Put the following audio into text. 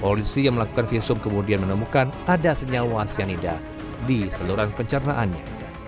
polisi yang melakukan visum kemudian menemukan ada senyawa cyanida di seluruhan pencernaannya